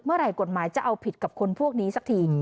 เมื่อไหร่กฎหมายจะเอาผิดกับคนพวกนี้สักที